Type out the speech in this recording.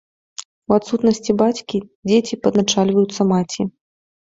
У адсутнасці бацькі дзеці падначальваюцца маці.